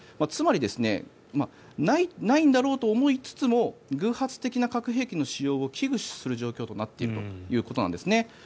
つまりないんだろうと思いつつも偶発的な核兵器の使用を危惧する状況となっているということです。